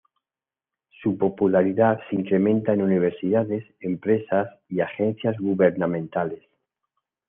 Su popularidad se incrementa en universidades, empresas y agencias gubernamentales.